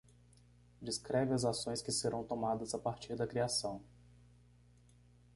descreve as ações que serão tomadas a partir da criação